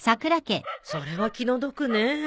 それは気の毒ねえ。